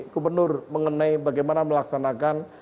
gubernur mengenai bagaimana melaksanakan